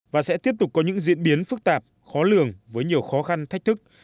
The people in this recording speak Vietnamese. và sẽ tiếp tục có những diễn biến phức tạp khó lường với nhiều khó khăn thách thức